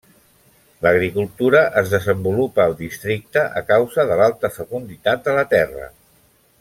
L'agricultura es desenvolupa al districte a causa de l'alta fecunditat de la terra.